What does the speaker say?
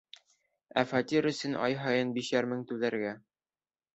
Ә фатир өсөн ай һайын бишәр мең түләргә!